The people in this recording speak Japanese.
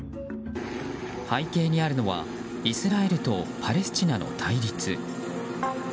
背景にあるのはイスラエルとパレスチナの対立。